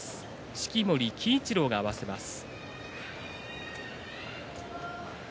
式守鬼一郎が合わせます。